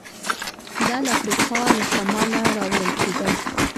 دا له افریقا له شماله راوړل کېدل